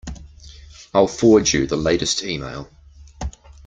I'll forward you the latest email.